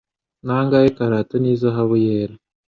Nangahe Karato Nizahabu Yera